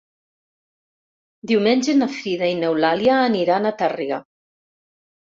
Diumenge na Frida i n'Eulàlia aniran a Tàrrega.